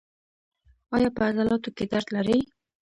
ایا په عضلاتو کې درد لرئ؟